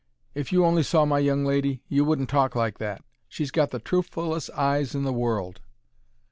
If you only saw my young lady, you wouldn't talk like that. She's got the truthfullest eyes in the world.